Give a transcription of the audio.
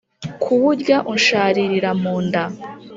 kuwurya unsharirira mu nda